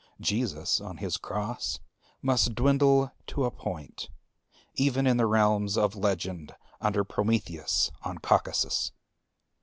Jesus on his cross must dwindle to a point, even in the realms of legend under Prometheus on Caucasus.